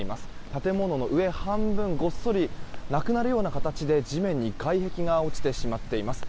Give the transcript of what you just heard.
建物の上半分ごっそりなくなるような形で地面に外壁が落ちてしまっています。